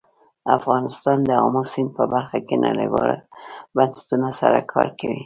افغانستان د آمو سیند په برخه کې نړیوالو بنسټونو سره کار کوي.